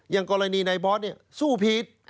อย่างกรณีนายบอสสู้ผิด